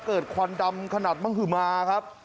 เกิดควันดำขนาดมังหึมาครับ